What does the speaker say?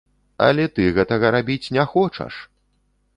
Але ты гэтага рабіць не хочаш!